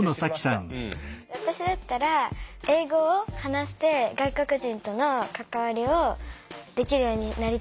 私だったら英語を話して外国人との関わりをできるようになりたいなって。